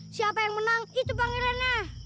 siapa yang menang itu pangerannya